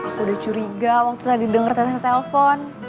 aku udah curiga waktu tadi denger tete tete telepon